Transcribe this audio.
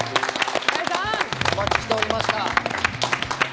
お待ちしておりました。